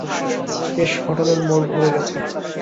বেশ, ঘটনার মোড় ঘুরে গেছে।